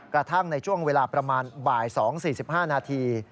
กระทั่งในช่วงเวลาประมาณบ่าย๒๔๕นาที